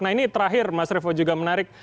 nah ini terakhir mas revo juga menarik